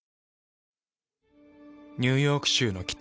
ニューヨーク州の北。